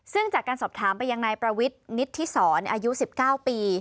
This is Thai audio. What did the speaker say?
ซึ่งจากการสอบถามไปยังนายประวิทนิทธิศรอายุ๑๙ปี